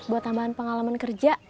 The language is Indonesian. buat tambahan pengalaman kerja